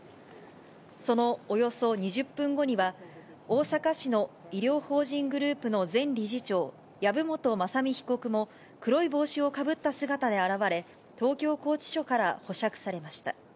そのおよそ２０分後には、大阪市の医療法人グループの前理事長、籔本雅巳被告も、黒い帽子をかぶった姿で現れ、東京拘置所から保釈されました。